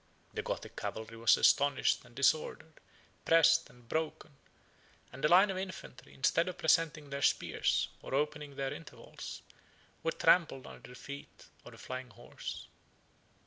The Gothic cavalry was astonished and disordered, pressed and broken; and the line of infantry, instead of presenting their spears, or opening their intervals, were trampled under the feet of the flying horse.